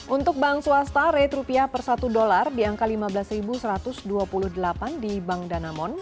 untuk bank swasta rate rupiah per satu dolar di angka lima belas satu ratus dua puluh delapan di bank danamon